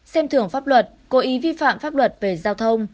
xem thưởng pháp luật cố ý vi phạm pháp luật về giao thông